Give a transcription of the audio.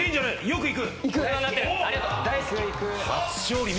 はい。